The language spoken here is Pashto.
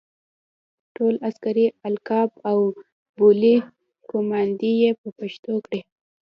ټول عسکري القاب او بولۍ قوماندې یې په پښتو کړې.